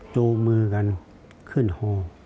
จูงมือกันขึ้นฮอ